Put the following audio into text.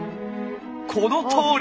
このとおり！